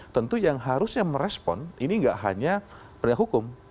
tentu yang harusnya merespon ini nggak hanya penegak hukum